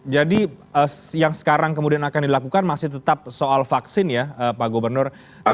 jadi yang sekarang kemudian akan dilakukan masih tetap soal vaksin ya pak gubernur